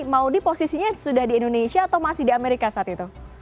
maudie posisinya sudah di indonesia atau masih di amerika saat itu